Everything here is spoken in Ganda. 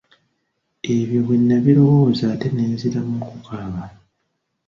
Ebyo bwe nabirowooza ate ne nziramu okukaaba.